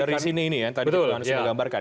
dari sini ini ya tadi sudah saya gambarkan